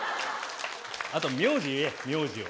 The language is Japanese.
あと名字言え名字を。